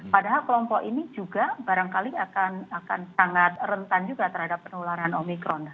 padahal kelompok ini juga barangkali akan sangat rentan juga terhadap penularan omikron